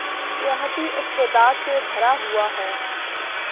سیاحتی استعداد سے بھرا ہوا ہے